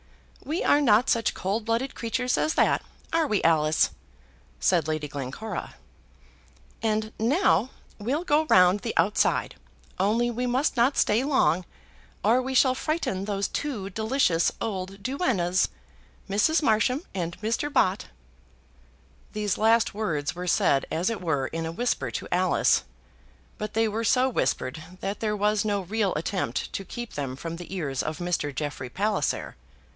"We are not such cold blooded creatures as that, are we, Alice?" said Lady Glencora. "And now we'll go round the outside; only we must not stay long, or we shall frighten those two delicious old duennas, Mrs. Marsham and Mr. Bott." These last words were said as it were in a whisper to Alice; but they were so whispered that there was no real attempt to keep them from the ears of Mr. Jeffrey Palliser.